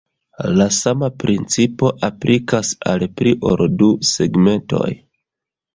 La sama principo aplikas al pli ol du segmentoj.